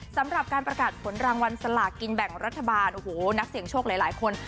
สำหรับการประกาศผลรางวัลสลากินแบ่งรัฐบาลโอ้โหนักเสี่ยงโชคหลายคน